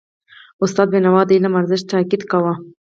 استاد بینوا د علم پر ارزښت تاکید کاوه.